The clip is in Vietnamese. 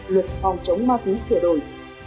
luật phòng chống ma túy sửa đổi